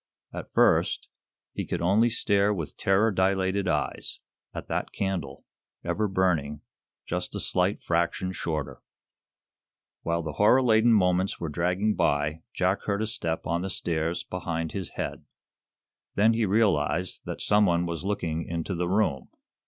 At first, he could only stare, with terror dilated eyes, at that candle ever burning just a slight fraction shorter! While the horror laden moments were dragging by Jack heard a step on the stairs behind his head. Then he realized that some one was looking into the room.